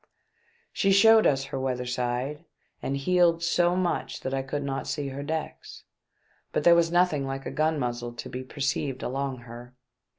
She showed us her weather side, and heeled so much that I could not see her decks, but there was nothing like a gun muzzle to be perceived along her.